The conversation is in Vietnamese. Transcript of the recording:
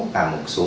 và một số